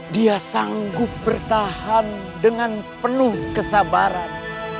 dia sanggup bertahan dengan penuh kesabaran